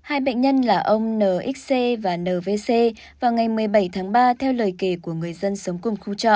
hai bệnh nhân là ông nxc và nvc vào ngày một mươi bảy tháng ba theo lời kể của người dân sống cùng khu trọ